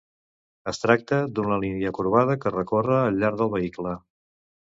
Es tracta d'una línia corbada que recorre al llarg del vehicle.